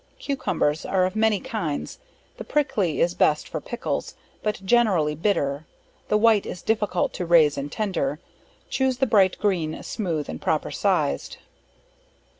Cucumbers, are of many kinds; the prickly is best for pickles, but generally bitter; the white is difficult to raise and tender; choose the bright green, smooth and proper sized.